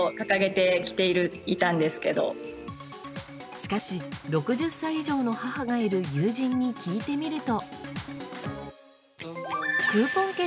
しかし、６０歳以上の母がいる友人に聞いてみると。